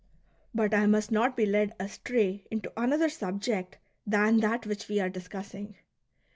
But I must not be led astray into another subject than that which we are discussing.